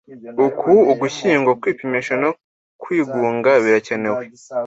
Uku Ugushyingo kwipimisha no kwigunga birakenewe.